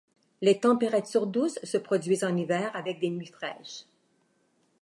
Les températures douces se produisent en hiver avec des nuits fraîches.